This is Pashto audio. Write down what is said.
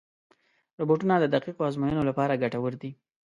روبوټونه د دقیقو ازموینو لپاره ګټور دي.